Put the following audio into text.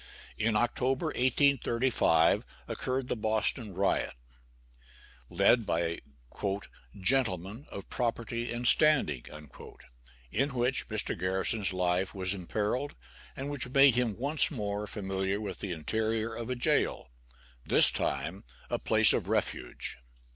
In October, 1835, occurred the Boston riot, led by "gentlemen of property and standing," in which Mr. Garrison's life was imperilled, and which made him once more familiar with the interior of a jail this time, a place of refuge.